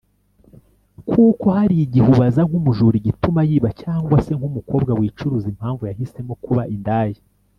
kuko hari igihe ubaza nk’umujura igituma yiba cyangwa se nk’umukobwa wicuruza impamvu yahisemo kuba indaya